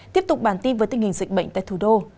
tiếp tục bản tin với tình hình dịch bệnh tại thủ đô